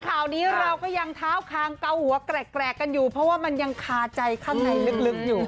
ข่าวนี้เราก็ยังเท้าคางเกาหัวแกรกกันอยู่เพราะว่ามันยังคาใจข้างในลึกอยู่